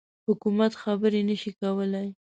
حکومت خبري نه شي کولای.